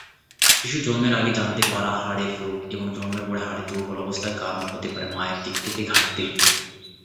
শিশুর জন্মের আগে জানতে পারা হাড়ের রোগ এবং জন্মের পর হাড়ের দুর্বল অবস্থার কারণ হতে পারে মায়ের দিক থেকে ঘাটতি।